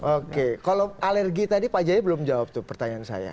oke kalau alergi tadi pak jaya belum jawab tuh pertanyaan saya